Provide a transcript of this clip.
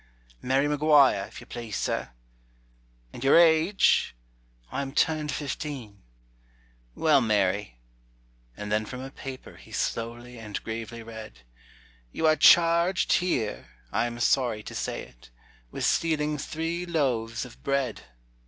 "Mary McGuire, if you please, sir." "And your age?" "I am turned fifteen." "Well, Mary " And then from a paper He slowly and gravely read, "You are charged here I am sorry to say it With stealing three loaves of bread.